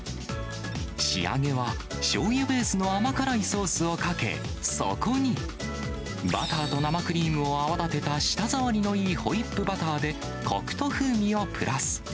仕上げはしょうゆベースの甘辛いソースをかけ、そこに、バターと生クリームを泡立てた舌触りのいいホイップバターで、こくと風味をプラス。